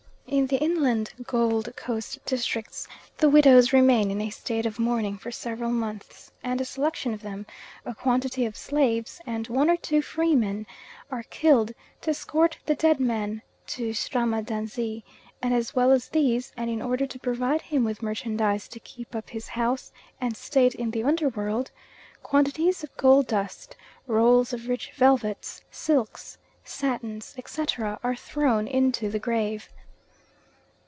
In the inland Gold Coast districts the widows remain in a state of mourning for several months, and a selection of them, a quantity of slaves, and one or two free men are killed to escort the dead man to Srahmandazi; and as well as these, and in order to provide him with merchandise to keep up his house and state in the under world, quantities of gold dust, rolls of rich velvets, silks, satins, etc., are thrown into the grave.